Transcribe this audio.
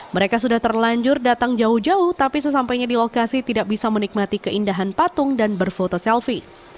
mereka sudah terlanjur datang jauh jauh tapi sesampainya di lokasi tidak bisa menikmati keindahan patung dan berfoto selfie